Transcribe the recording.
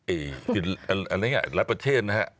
อะไรอย่างนี้รับประเทศนะฮะ